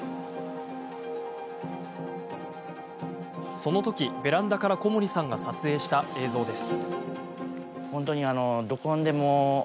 そのとき、ベランダから小森さんが撮影した映像です。